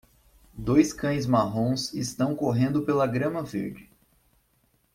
Dois cães marrons estão correndo pela grama verde.